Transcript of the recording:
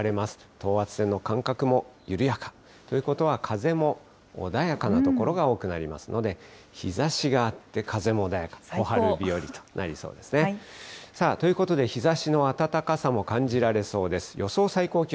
等圧線の間隔も緩やかということは、風も穏やかな所が多くなりますので、日ざしがあって風も穏やか、小春日和となりそうですね。ということで、日ざしの暖かさも感じられそうです。